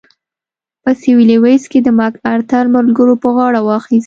په سوېلي ویلز کې د مک ارتر ملګرو پر غاړه واخیست.